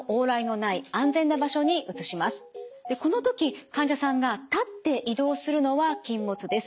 でこの時患者さんが立って移動するのは禁物です。